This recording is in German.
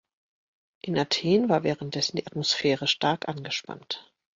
In Athen war währenddessen die Atmosphäre stark angespannt.